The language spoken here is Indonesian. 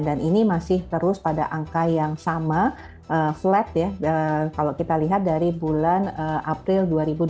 dan ini masih terus pada angka yang sama flat ya kalau kita lihat dari bulan april dua ribu dua puluh tiga